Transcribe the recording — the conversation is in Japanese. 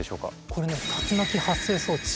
これね竜巻発生装置。